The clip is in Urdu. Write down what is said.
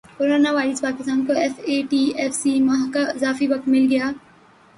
کورونا وائرس پاکستان کو ایف اے ٹی ایف سے ماہ کا اضافی وقت مل گیا